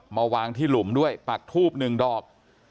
มาวางที่หลุมด้วยปักทูบหนึ่งดอก